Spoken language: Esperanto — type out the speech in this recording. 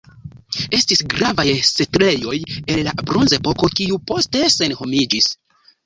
Estis gravaj setlejoj el la Bronzepoko, kiuj poste senhomiĝis.